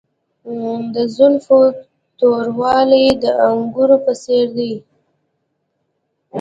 د زلفو توروالی د انګورو په څیر دی.